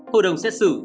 hội đồng xét xử